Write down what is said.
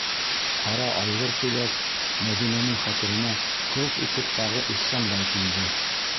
Ҡара айғыр тигәс, Мәҙинәнең хәтеренә ҡылт итеп тағы Ихсанбай килде.